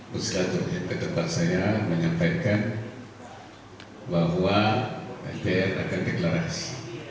pusat jokowi yang kedepan saya menyampaikan bahwa fbr akan deklarasi